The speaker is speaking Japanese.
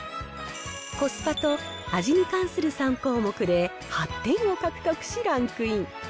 コスパと味に関する３項目で８点を獲得しランクイン。